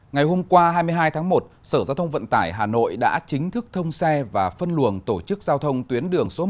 ngày hôm qua hai mươi hai tháng một sở giao thông vận tải hà nội đã chính thức thông xe và phân luồng tổ chức giao thông tuyến đường số một